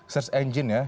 search engine yah